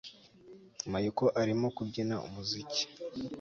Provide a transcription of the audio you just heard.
Mayuko arimo kubyina umuziki